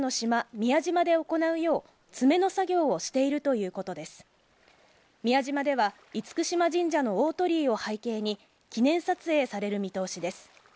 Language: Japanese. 宮島では厳島神社の大鳥居を背景に記念撮影される見通しです。